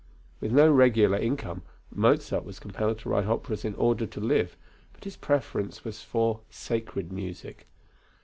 With no regular income, Mozart was compelled to write operas in order to live, but his preference was for sacred music.